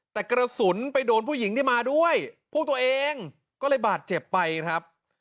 แต่กระสุนไปโดนผู้หญิงที่มาด้วยพวกตัวเองก็เลยบาดเจ็บไปครับ